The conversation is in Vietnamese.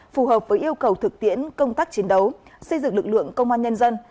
phù hợp với yêu cầu thực tiễn công tác chiến đấu xây dựng lực lượng công an nhân dân